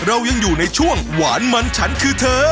เรายังอยู่ในช่วงหวานมันฉันคือเธอ